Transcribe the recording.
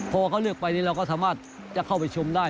พอเขาเลือกไปนี่เราก็สามารถจะเข้าไปชมได้